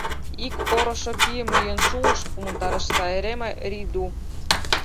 — Ик орышо пийым лӱен шуыш, — умылтарыш Сааремаа Рийду.